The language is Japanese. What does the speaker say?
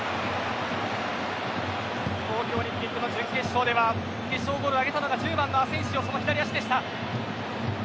東京オリンピックの準決勝では決勝ゴールを挙げたのが９番のアセンシオのその左足でした。